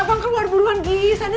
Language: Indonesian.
abang keluar buruan gilis aja